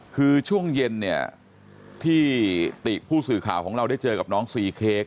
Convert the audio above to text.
คือช่วงเย็นเนี่ยที่ติผู้สื่อข่าวของเราได้เจอกับน้องซีเค้ก